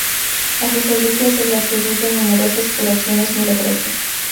A sus reliquias se le atribuyen numerosas curaciones milagrosas.